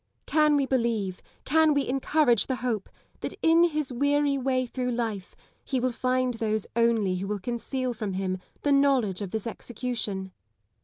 Can we believe, can we encourage the hope, that in his weary way through life he will find those only who will conceal from him the knowledge of this execution